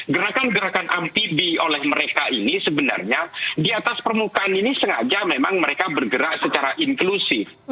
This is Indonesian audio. gerakan gerakan amfibi oleh mereka ini sebenarnya di atas permukaan ini sengaja memang mereka bergerak secara inklusif